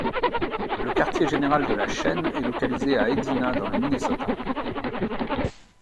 Le quartier général de la chaîne est localisé à Edina, dans le Minnesota.